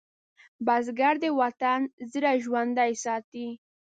بزګر د وطن زړه ژوندی ساتي